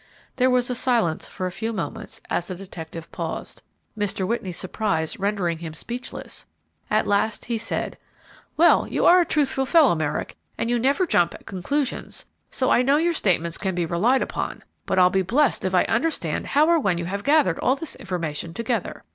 There was silence for a few moments as the detective paused, Mr. Whitney's surprise rendering him speechless; at last he said, "Well, you are a truthful fellow, Merrick, and you never jump at conclusions, so I know your statements can be relied upon; but I'll be blessed if I understand how or when you have gathered all this information together.